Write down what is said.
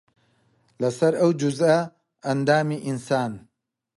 لەسەر ئەو جوزئە ئەندامی ئینسان